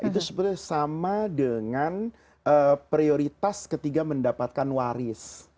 itu sebenarnya sama dengan prioritas ketiga mendapatkan waris